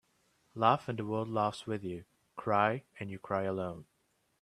Laugh and the world laughs with you. Cry and you cry alone.